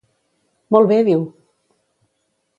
Molt bé diu!